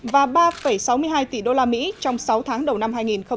và ba sáu mươi hai tỷ usd trong sáu tháng đầu năm hai nghìn một mươi tám